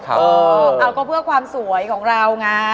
เอาคือเพื่อความสวยของเราน้า